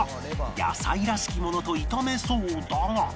野菜らしきものと炒めそうだが